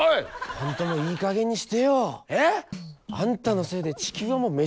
本当にいいかげんにしてよ。え！？あんたのせいで地球はもうめちゃくちゃだよ！